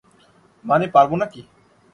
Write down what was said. মানে, পারবো নাকি?